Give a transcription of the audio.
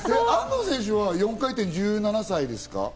安藤選手は４回転、１７歳ですか？